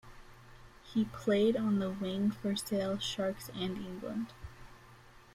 He played on the wing for Sale Sharks and England.